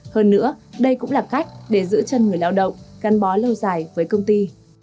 hơn nữa đây cũng là cách để giữ chân người lao động gắn bó lâu dài với công ty